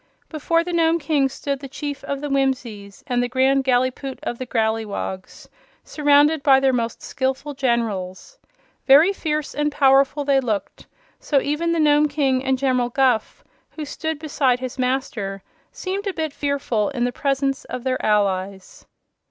Before the Nome King stood the Chief of the Whimsies and the Grand Gallipoot of the Growleywogs, surrounded by their most skillful generals. Very fierce and powerful they looked, so that even the Nome King and General Guph, who stood beside his master, seemed a bit fearful in the presence of their allies.